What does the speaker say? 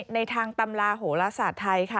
ในทางตำราโหลศาสตร์ไทยค่ะ